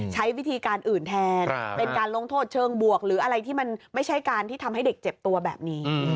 ใช้วิธีการอื่นแทน